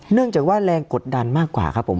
เนื่องจากว่าแรงกดดันมากกว่าครับผม